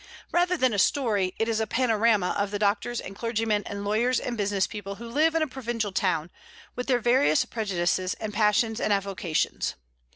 Rather than a story, it is a panorama of the doctors and clergymen and lawyers and business people who live in a provincial town, with their various prejudices and passions and avocations.